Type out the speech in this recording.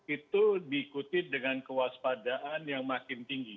itu diikuti dengan kewaspadaan yang makin tinggi